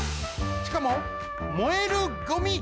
しかも燃えるゴミ。